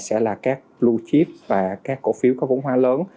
sẽ là các blue chip và các cổ phiếu có vốn hoa lớn